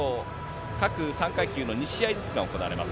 各３階級の２試合ずつが行われます。